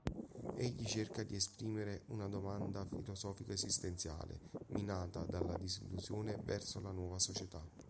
Egli cerca di esprimere una domanda filosofico-esistenziale, minata dalla disillusione verso la nuova società.